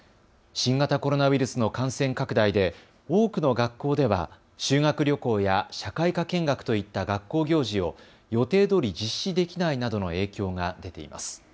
新型コロナウイルスの感染拡大で多くの学校では修学旅行や社会科見学といった学校行事を予定どおり実施できないなどの影響が出ています。